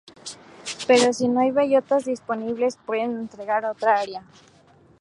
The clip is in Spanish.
Pero, si no hay bellotas disponibles pueden emigrar a otra área.